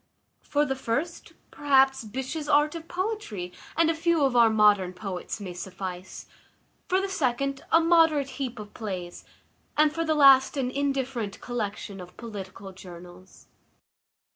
For the first, perhaps, Byshe's Art of Poetry, and a few of our modern poets, may suffice; for the second, a moderate heap of plays; and, for the last, an indifferent collection of political journals.